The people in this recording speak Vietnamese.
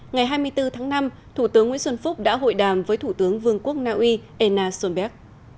ngày hai mươi bốn tháng năm thủ tướng nguyễn xuân phúc đã hội đàm với thủ tướng vương quốc naui ena sonberg